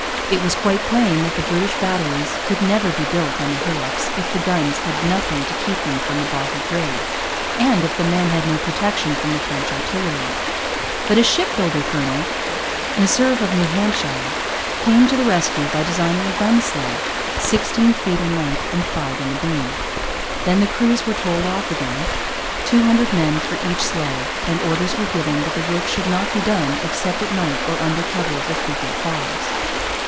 It was quite plain that the British batteries could never be built on the hillocks if the guns had nothing to keep them from a boggy grave, and if the men had no protection from the French artillery. But a ship builder colonel, Meserve of New Hampshire, came to the rescue by designing a gun sleigh, sixteen feet in length and five in the beam. Then the crews were told off again, two hundred men for each sleigh, and orders were given that the work should not be done except at night or under cover of the frequent fogs.